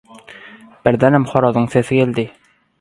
Birdenem horazyň sesi geldi.